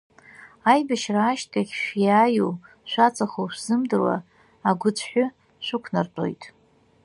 Аибашьра ашьҭахь шәиааиу, шәаҵахоу шәзымдыруа, аӷәыцәҳәы шәықәнартәоит.